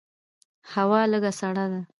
هوا لږه سړه ده.